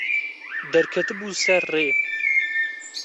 Derketibû ser rê.